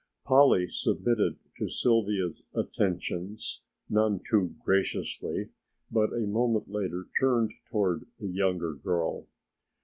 Polly submitted to Sylvia's attentions none too graciously, but a moment later turned toward the younger girl.